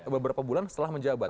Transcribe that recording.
beberapa bulan setelah menjabat